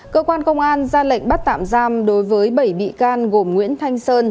cơ quan công an ra lệnh bắt tạm giam đối với bảy bị can gồm nguyễn thanh sơn